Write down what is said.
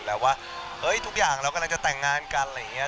แต่ว่าทุกอย่างเรากำลังจะแต่งงานกันอะไรอย่างนี้